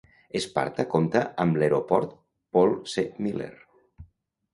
Sparta compta amb l'aeroport Paul C. Miller.